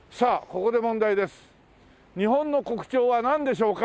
日本の国鳥はなんでしょうか？